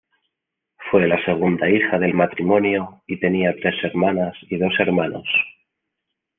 Fue la segunda hija del matrimonio y tenía tres hermanas y dos hermanos.